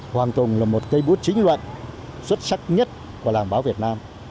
hoàng tùng là một cây bút chính luận xuất sắc nhất của làng báo việt nam